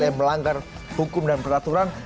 yang melanggar hukum dan peraturan